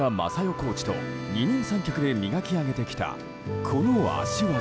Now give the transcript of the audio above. コーチと二人三脚で磨き上げてきたこの脚技。